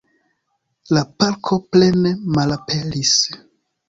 La parko plene malaperis.